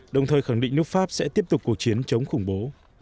đồng thời khẳng định nước pháp sẽ tiếp tục cuộc chiến chống khủng bố